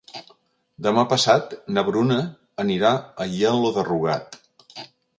Demà passat na Bruna anirà a Aielo de Rugat.